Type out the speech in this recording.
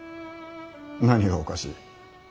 何がおかしい。